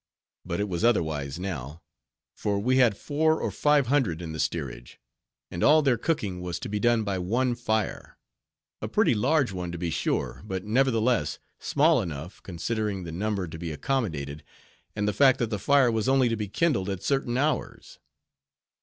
But it was otherwise now; for we had four or five hundred in the steerage; and all their cooking was to be done by one fire; a pretty large one, to be sure, but, nevertheless, small enough, considering the number to be accommodated, and the fact that the fire was only to be kindled at certain hours.